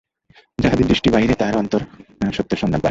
যাহাদের দৃষ্টি বাহিরে, তাহারা আন্তর সত্যের সন্ধান পায় না।